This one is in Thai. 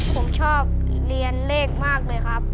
ผมชอบเรียนเลขมากเลยครับ